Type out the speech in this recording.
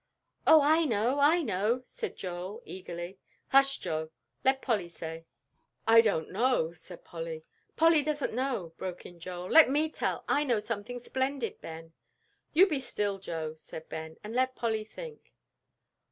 "Oh, I know, I know," said Joel, eagerly. "Hush, Joe, let Polly say." "I don't know," said Polly. "Polly doesn't know," broke in Joel, "let me tell; I know something splendid, Ben." "You be still, Joe," said Ben, "and let Polly think."